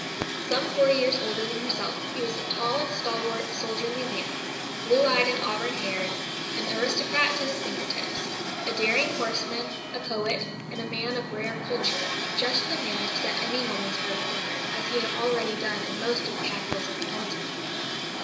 Some four years older than herself, he was a tall, stalwart, soldierly man, blue eyed and auburn haired, an aristocrat to his finger tips, a daring horseman, a poet, and a man of rare culture just the man to set any woman's heart a flutter, as he had already done in most of the capitals of the Continent.